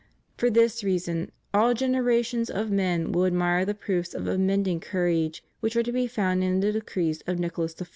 For this reason all genera tions of men will admire the proofs of unbending courage which are to be found in the decrees of Nicholas I.